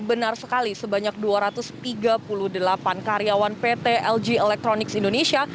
benar sekali sebanyak dua ratus tiga puluh delapan karyawan pt lg electronics indonesia